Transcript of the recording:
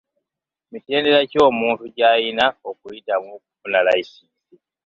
Mitendera ki omuntu gy'ayina okuyitamu okufuna layisinsi.